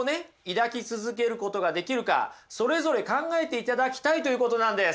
抱き続けることができるかそれぞれ考えていただきたいということなんです。